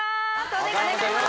お願いします